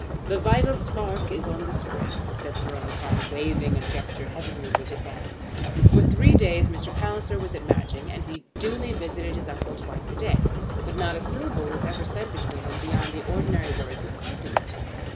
"The vital spark is on the spring," said Sir Omicron, waving a gesture heavenward with his hand. For three days Mr. Palliser was at Matching, and he duly visited his uncle twice a day. But not a syllable was ever said between them beyond the ordinary words of compliments.